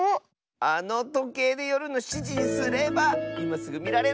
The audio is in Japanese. あのとけいでよるの７じにすればいますぐみられるッス！